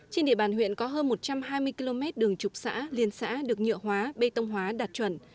trên địa bàn huyện có hơn một trăm hai mươi km đường trục xã liên xã được nhựa hóa bê tông hóa đạt chuẩn